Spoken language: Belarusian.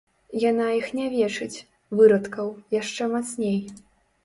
Яна іх нявечыць, вырадкаў, яшчэ мацней.